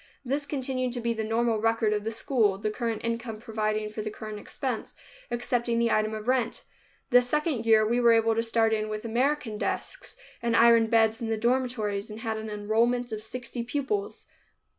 This has continued to be the normal record of the school, the current income providing for the current expense, excepting the item of rent. The second year we were able to start in with American desks, and iron beds in the dormitories, and had an enrollment of sixty pupils.